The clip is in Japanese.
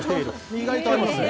意外とありますね。